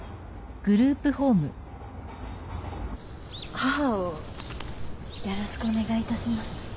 母をよろしくお願いいたします。